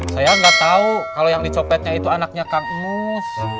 saya nggak tahu kalau yang dicopetnya itu anaknya kang emis